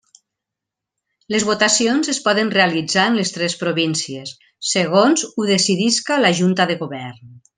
Les votacions es poden realitzar en les tres províncies, segons ho decidisca la Junta de Govern.